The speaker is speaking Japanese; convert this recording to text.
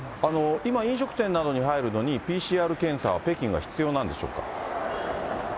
今、飲食店などに入るのに、ＰＣＲ検査は、北京は必要なんでしょうか。